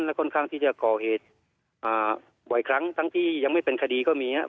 และค่อนข้างที่จะก่อเหตุบ่อยครั้งทั้งที่ยังไม่เป็นคดีก็มีครับ